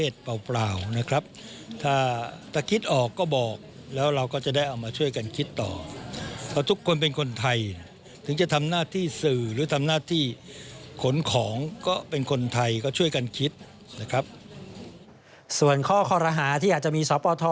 ส่วนข้อคอรหาที่อาจจะมีสปท